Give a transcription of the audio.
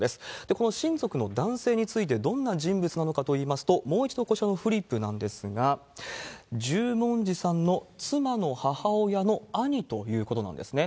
この親族の男性について、どんな人物なのかといいますと、もう一度こちらのフリップなんですが、十文字さんの妻の母親の兄ということなんですね。